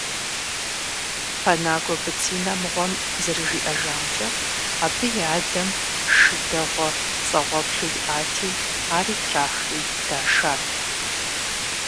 Пэнагуэ Быцинэ мыгъуэм зэрыжиӏэжамкӏэ, абы и адэм шы дэгъуэ пцӏэгъуэплъу иӏэти, ари трахри дашат.